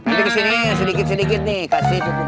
ayo kesini sedikit sedikit nih kasih cukupnya nih